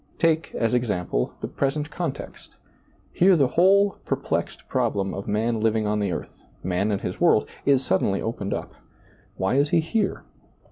Take, as example, the present context : here the whole, perplexed problem of man living on the earth — man and his world — is suddenly opened up. Why is he here?